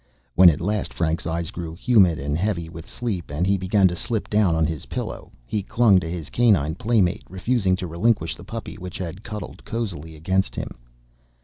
When at last Frank's eyes grew humid and heavy with sleep, and he began to slip down on his pillow, he clung to his canine playmate, refusing to relinquish the puppy which had cuddled cosily against him.